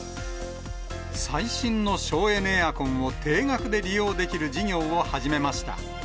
最新の省エネエアコンを低額で利用できる事業を始めました。